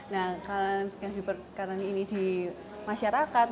nah karena ini di masyarakat